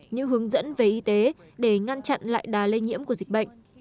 những hướng dẫn về y tế để ngăn chặn lại đà lây nhiễm của dịch bệnh